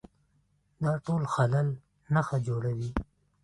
دا ټول خلل نښه جوړوي